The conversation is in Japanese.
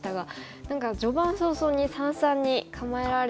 何か序盤早々に三々に構えられたり。